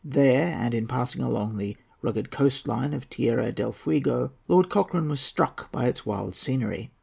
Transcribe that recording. There, and in passing along the rugged coast line of Tierra del Fuego, Lord Cochrane was struck by its wild scenery.